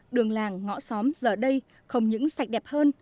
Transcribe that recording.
đường làng ngõ xóm giờ đây không những sạch đẹp hơn